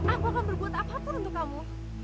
aku akan berbuat apapun untuk kamu